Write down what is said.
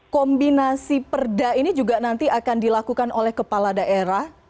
kombinasi perda ini juga nanti akan dilakukan oleh kepala daerah